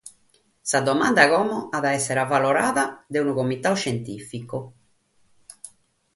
Sa dimanda immoe at a èssere valutada dae unu comitadu iscientìficu.